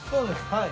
はい。